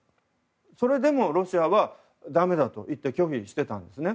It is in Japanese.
それでもロシアはだめだと拒否していたんですね。